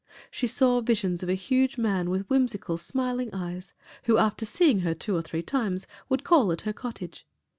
She saw visions of a huge man with whimsical, smiling eyes, who after seeing her two or three times would call at her cottage.